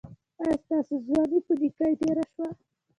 ایا ستاسو ځواني په نیکۍ تیره شوه؟